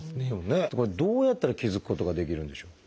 これどうやったら気付くことができるんでしょう？